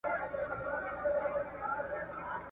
وي مي له سهاره تر ماښامه په خدمت کي `